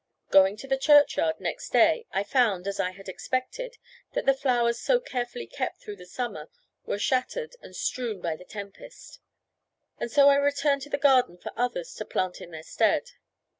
Going to the churchyard next day, I found, as I had expected, that the flowers so carefully kept through the summer were shattered and strewn by the tempest; and so I returned to the garden for others to plant in their stead.